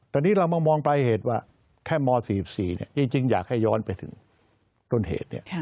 ตอนนี้เรามามองไปเหตุว่าแค่ม๔๔เนี่ยจริงอยากให้ย้อนไปถึงต้นเหตุเนี่ย